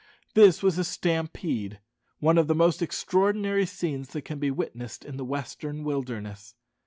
This was a stampede, one of the most extraordinary scenes that can be witnessed in the western wilderness.